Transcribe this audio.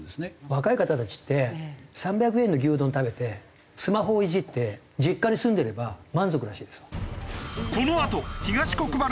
若い方たちって３００円の牛丼食べてスマホをいじって実家に住んでれば満足らしいです。